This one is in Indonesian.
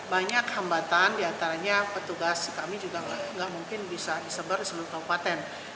banyak hambatan diantaranya petugas kami juga nggak mungkin bisa disebar di seluruh kabupaten